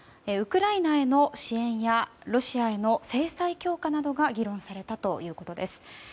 ウクライナへの支援やロシアへの制裁強化などが議論されたということです。